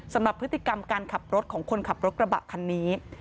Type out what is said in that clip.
สำหรับพฤติกรรมการขับรถของคนขับรถกระบะคันนี้